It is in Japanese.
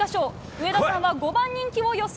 上田さんは５番人気を予想。